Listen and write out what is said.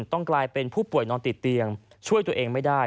ต้องกลายเป็นผู้ป่วยนอนติดเตียงช่วยตัวเองไม่ได้